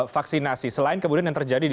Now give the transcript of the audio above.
vaksinasi selain kemudian yang terjadi di